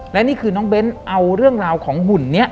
และนี่คือน้องเบ้นเอาเรื่องราวของหุ่นนี้